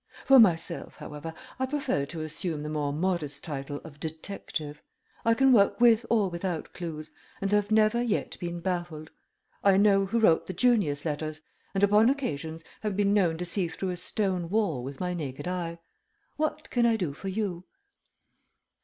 "For myself, however, I prefer to assume the more modest title of detective. I can work with or without clues, and have never yet been baffled. I know who wrote the Junius letters, and upon occasions have been known to see through a stone wall with my naked eye. What can I do for you?"